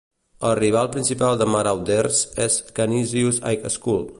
El rival principal de Marauders és Canisius High School.